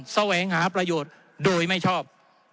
แสวงหาประโยชน์โดยไม่ชอบ